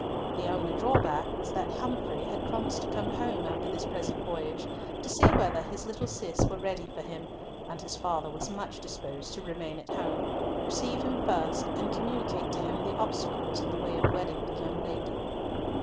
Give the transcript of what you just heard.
The only drawback was that Humfrey had promised to come home after this present voyage, to see whether his little Cis were ready for him; and his father was much disposed to remain at home, receive him first, and communicate to him the obstacles in the way of wedding the young lady.